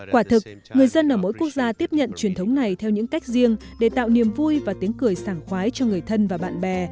quả thực người dân ở mỗi quốc gia tiếp nhận truyền thống này theo những cách riêng để tạo niềm vui và tiếng cười sàng khoái cho người thân và bạn bè